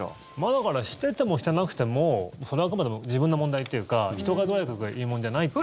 だからしててもしてなくてもそれはあくまでも自分の問題というか人がとやかく言うもんじゃないという。